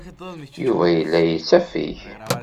Yuba yella yettafeg.